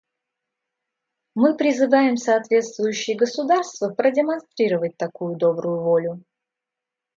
Мы призываем соответствующие государства продемонстрировать такую добрую волю.